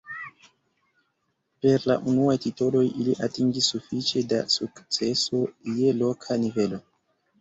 Per la unuaj titoloj ili atingis sufiĉe da sukceso je loka nivelo.